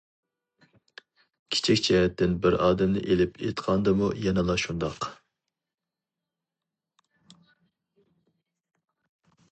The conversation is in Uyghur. كىچىك جەھەتتىن بىر ئادەمنى ئېلىپ ئېيتقاندىمۇ يەنىلا شۇنداق.